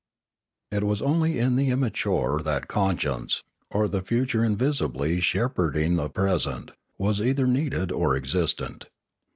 It was only in the immature that conscience, or the future invisibly shepherding the present, was either needed or existent.